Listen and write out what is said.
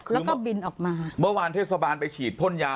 แล้วก็บินออกมาเมื่อวานเทศบาลไปฉีดพ่นยา